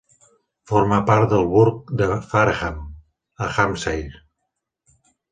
Forma part del burg de Fareham, a Hampshire.